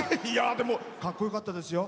でもかっこよかったですよ。